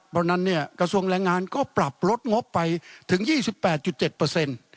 เพราะฉะนั้นเนี่ยกระทรวงแรงงานก็ปรับลดงบไปถึง๒๘๗เปอร์เซ็นต์